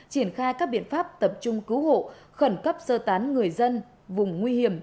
triển khai các biện pháp tập trung cứu hộ khẩn cấp sơ tán người dân vùng nguy hiểm